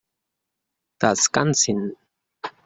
Descansin!